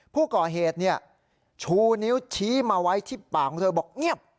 ผู้ก่อเหตุชูนิ้วชี้มาไว้ที่ปากของเธอบอกเงียบ